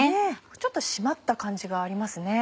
ちょっと締まった感じがありますね。